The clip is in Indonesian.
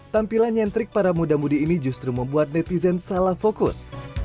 tampilan nyentrik para muda mudi ini justru membuat netizen salah fokus